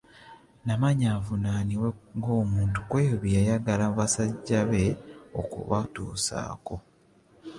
Namanya avunaanibwe ng'omuntu kwebyo byeyalagira basajja be okubatuusaako.